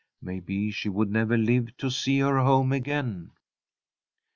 Maybe she would never live to see her home again.